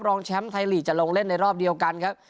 รองแชมป์ไทยลีกจะลงเล่นในรอบเดียวกันครับ